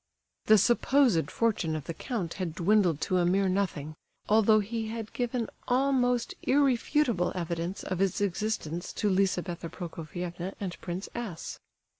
The supposed fortune of the count had dwindled to a mere nothing, although he had given almost irrefutable evidence of its existence to Lizabetha Prokofievna and Prince S.